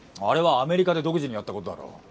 あれはアメリカで独自にやった事だろう。